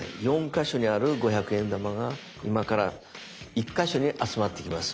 ４か所にある五百円玉が今から１か所に集まってきます。